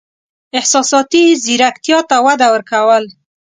احساساتي زیرکتیا ته وده ورکول: